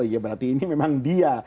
ya berarti ini memang dia